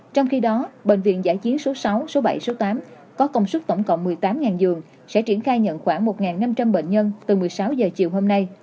trong khi đó bệnh viện giải chiến số sáu số bảy số tám có công suất tổng cộng một mươi tám giường sẽ triển khai nhận khoảng một năm trăm linh bệnh nhân từ một mươi sáu giờ chiều hôm nay